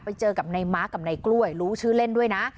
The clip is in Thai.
ไปเจอกับนายมาร์คกับนายกล้วยรู้ชื่อเล่นด้วยนะ